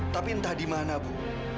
tapi entah di mana bu